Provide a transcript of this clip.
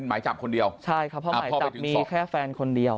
หมายจับคนเดียวใช่ค่ะเพราะหมายจับมีแค่แฟนคนเดียว